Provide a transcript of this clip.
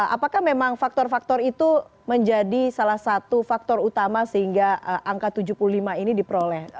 apakah memang faktor faktor itu menjadi salah satu faktor utama sehingga angka tujuh puluh lima ini diperoleh